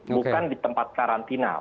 bukan di tempat karantina